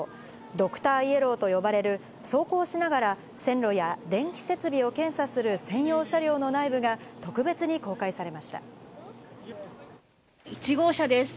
ドクターイエローと呼ばれる、走行しながら線路や電気設備を検査する専用車両の内部が、特別に１号車です。